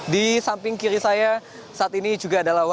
di samping kiri saya saat ini juga ada lawar